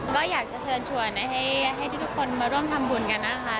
ก็อยากจะเชิญชวนให้ทุกคนมาร่วมทำบุญกันนะคะ